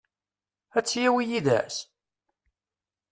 Ad tt-yawi yid-s?